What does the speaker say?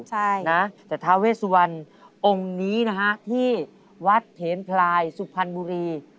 ใช่นะแต่ทาเวสวันองค์นี้นะฮะที่วัดเถนพลายสุพรรณบุรี